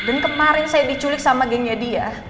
dan kemarin saya diculik sama gengnya dia